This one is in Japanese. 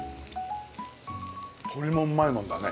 鶏もうまいもんだね。